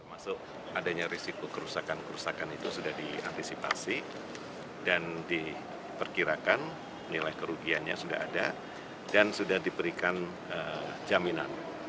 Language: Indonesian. masuk adanya risiko kerusakan kerusakan itu sudah diantisipasi dan diperkirakan nilai kerugiannya sudah ada dan sudah diberikan jaminan